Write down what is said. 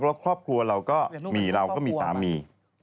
แล้วครอบครัวเราก็มีเราก็มีสามี